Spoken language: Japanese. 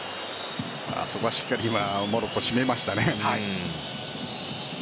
あそこはしっかりモロッコ、締めましたね。